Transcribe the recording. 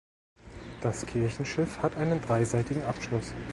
Das Kirchenschiff hat einen dreiseitigen Abschluss.